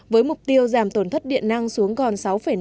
với mục tiêu giảm tổn thất điện năng xuống còn sáu năm